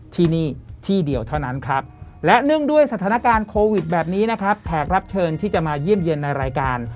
ที่นี่ที่เดียวเท่านั้นครับและเนื่องด้วยสถานการณ์โควิดแบบนี้นะครับแขกรับเชิญที่จะมาเยี่ยมเยี่ยมในรายการ